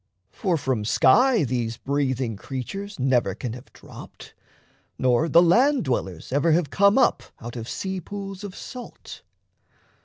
For from sky These breathing creatures never can have dropped, Nor the land dwellers ever have come up Out of sea pools of salt.